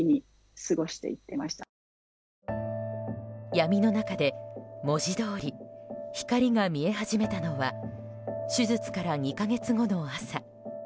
闇の中で、文字どおり光が見え始めたのは手術から２か月後の朝。